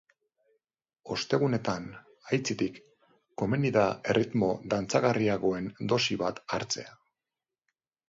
Ostegunetan, aitzitik, komeni da erritmo dantzagarriagoen dosi bat hartzea.